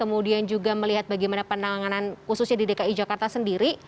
kemudian juga melihat bagaimana penanganan khususnya di dki jakarta sendiri